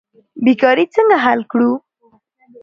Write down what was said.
بیکاري څنګه حل کړو؟